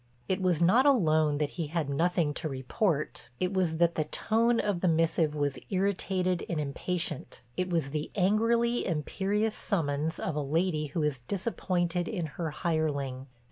It was not alone that he had nothing to report; it was that the tone of the missive was irritated and impatient. It was the angrily imperious summons of a lady who is disappointed in her hireling.